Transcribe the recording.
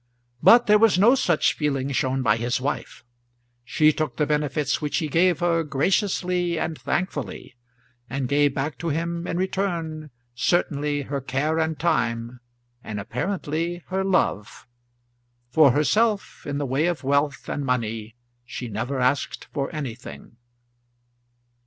But there was no such feeling shown by his wife. She took the benefits which he gave her graciously and thankfully, and gave back to him in return, certainly her care and time, and apparently her love. For herself, in the way of wealth and money, she never asked for anything.